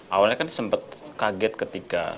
awalnya kan sempat kaget ketika